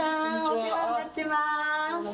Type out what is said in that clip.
お世話になってます。